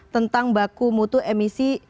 tentang baku mutu emisi